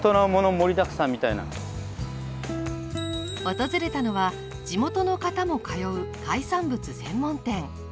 訪れたのは地元の方も通う海産物専門店。